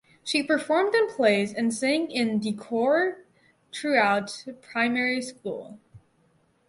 She performed in plays and sang in the choir throughout primary school.